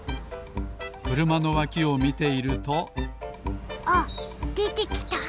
くるまのわきをみているとあっでてきた！